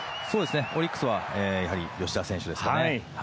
オリックスはやはり吉田選手ですかね。